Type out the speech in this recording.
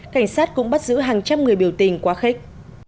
cảnh sát cũng bắt giữ hàng trăm người biểu tình quá khích